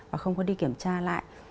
và không có đi kiểm tra lại